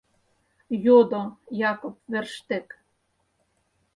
— йодо Якоб Ферштег.